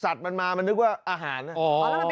สัตว์มันมามันนึกว่าอาหารอ่ะอ๋อแล้วมันเป็นกลิ่น